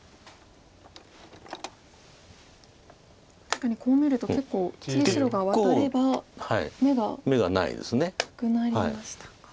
確かにこう見ると結構次白がワタれば眼がなくなりましたか。